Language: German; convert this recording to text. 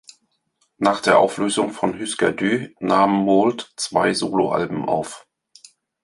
Nach der Auflösung von Hüsker Dü nahm Mould zwei Soloalben auf.